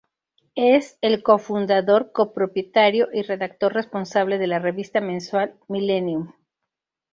Es el co-fundador, co-propietario y redactor responsable de la revista mensual Millennium.